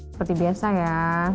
seperti biasa ya